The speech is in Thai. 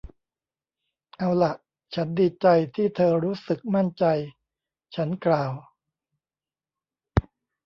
เอาล่ะ ฉันดีใจที่เธอรู้สึกมั่นใจ ฉันกล่าว